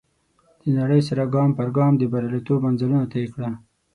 د نړۍ سره ګام پر ګام د برياليتوب منزلونه طی کړه.